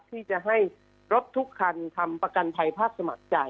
ที่จะให้รถทุกคันทำประกันภัยภาพสมัครจ่าย